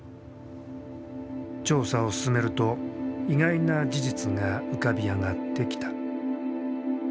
調査を進めると意外な事実が浮かび上がってきた。